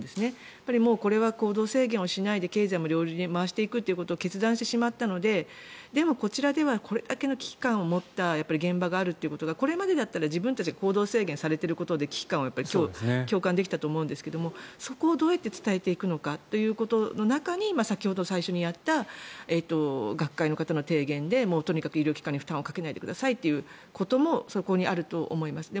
やっぱりこれは行動制限をしないで経済と両輪で回していくという決断してしまったのででもこちらではこれだけの危機感を持った現場があるということがこれまではこれだけ行動制限されていることで危機感が共有できたと思うんですがそこをどうやって伝えていくのかという中にさっき最初にやった学会の方の提言でもうとにかく医療機関に負担をかけないで下さいということがあると思います。